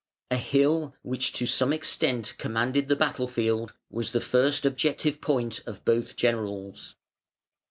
A hill, which to some extent commanded the battle field, was the first objective point of both generals.